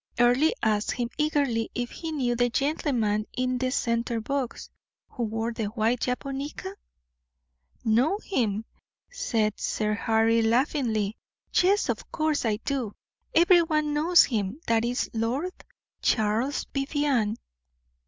Earle asked him eagerly if he knew the gentleman in the center box, who wore the white japonica? "Know him!" said Sir Harry, laughingly; "yes, of course I do every one knows him. That is Lord Charles Vivianne."